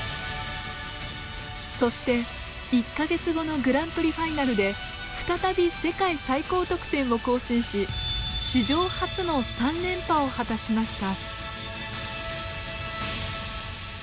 そして１か月後のグランプリファイナルで再び世界最高得点を更新し史上初の３連覇を果たしました。